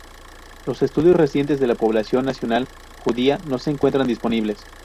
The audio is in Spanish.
Los estudios recientes de la población nacional judía no se encuentran disponibles.